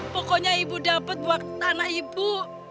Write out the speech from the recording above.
pokoknya ibu dapat buat tanah ibu